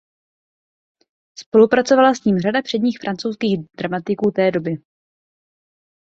Spolupracovala s ním řada předních francouzských dramatiků té doby.